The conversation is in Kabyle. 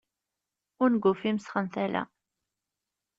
Unguf imesxen tala.